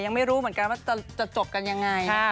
คงไม่รู้เหมือนกันว่าจะจกกันยังไงนะครับ